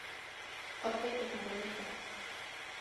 Aos feitos me remito.